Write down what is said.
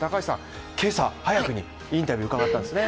今朝早くにインタビューに伺ったんですね